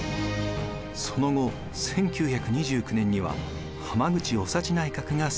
その後１９２９年には浜口雄幸内閣が成立。